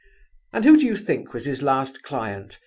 And who do you think was his last client?